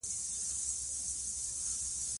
نښتر مشاعره په پکتيا کې هر کال ترسره کیږي